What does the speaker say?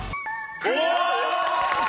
［クリア！］